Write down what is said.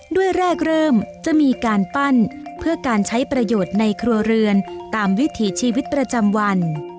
ด้วยแรกเริ่มจะมีการปั้นเพื่อการใช้ประโยชน์ในครัวเรือนตามวิถีชีวิตประจำวัน